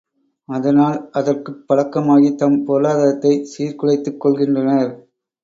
அதனால் அதற்குப் பழக்கமாகித் தம் பொருளாதாரத்தைச் சீர்குலைத்துக் கொள்கின்றனர்.